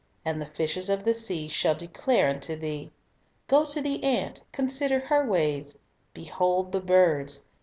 and the fishes of the sea shall declare unto thee." "Go to the ant; ... consider her ways." "Behold the birds."